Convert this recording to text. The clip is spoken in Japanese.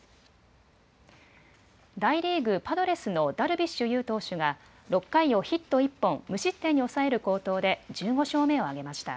大リーグ・パドレスのダルビッシュ有投手が、６回をヒット１本、無失点に抑える好投で１５勝目を挙げました。